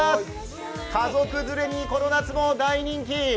家族連れに、この夏も大人気。